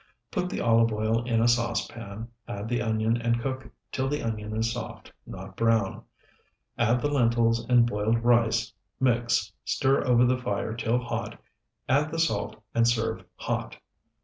Put the olive oil in a saucepan, add the onion, and cook till the onion is soft, not brown. Add the lentils and boiled rice, mix, stir over the fire till hot, add the salt, and serve hot.